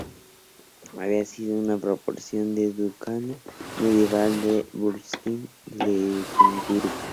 Había sido una porción del Ducado medieval de Brunswick-Luneburgo.